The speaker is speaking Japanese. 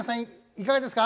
いかがですか？